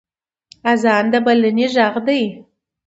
اذان د بلنې غږ دی